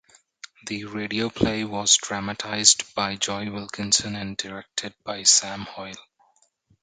The radio play was dramatised by Joy Wilkinson and directed by Sam Hoyle.